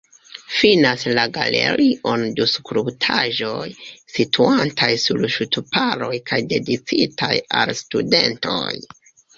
Finas la galerion du skulptaĵoj, situantaj sur ŝtuparoj kaj dediĉitaj al studentoj.